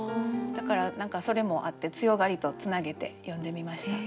だからそれもあって強がりとつなげて詠んでみました。